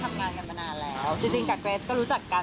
พี่อ๊อฟก็ทำงานกันมานานแล้วจริงกับเกรดก็รู้จัดการ